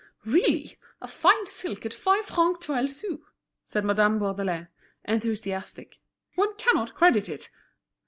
"Really! a fine silk at five francs twelve sous!" said Madame Bourdelais, enthusiastic. "One cannot credit it."